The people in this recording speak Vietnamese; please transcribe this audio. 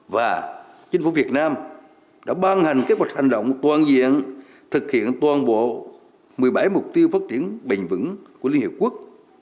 và chính phủ việt nam đã ban hành kế hoạch hành động toàn diện thực hiện toàn bộ một mươi bảy mục tiêu phát triển bền vững của liên hiệp quốc